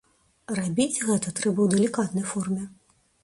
Рабіць гэта трэба ў далікатнай форме.